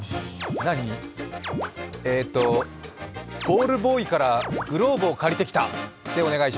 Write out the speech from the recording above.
ボールボーイからグローブを借りてきた。